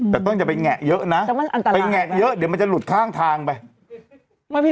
แต่ต้องอย่าไปแงะเยอะนะไปแงะเยอะเดี๋ยวมันจะหลุดข้างทางไป